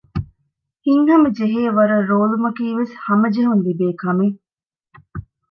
ހިތްހަމަ ޖެހޭވަރަށް ރޯލުމަކީވެސް ހަމަޖެހުން ލިބޭކަމެއް